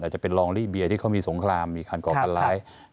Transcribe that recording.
อาจจะเป็นรองรีเบียนที่เขามีสงครามมีการก่อปันร้าย